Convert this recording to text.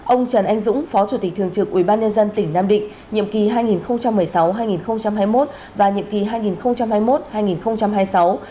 ông trần anh dũng phó chủ tịch thường trực ubnd tỉnh nam định nhiệm kỳ hai nghìn một mươi sáu hai nghìn hai mươi một và nhiệm kỳ hai nghìn hai mươi một